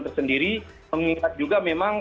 tersendiri mengingat juga memang